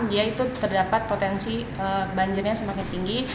dia itu terdapat potensi banjirnya semakin tinggi